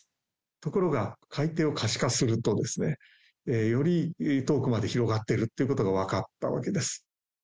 ところが、海底を可視化すると、より遠くまで広がってるということが分かったわけです。